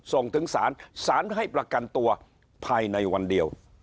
ส่งถึงศาลศาลให้ประกันตัวภายในวันเดียว